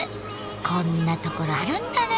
こんな所あるんだね。